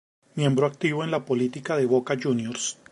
Miembro activo en la política de Boca Juniors.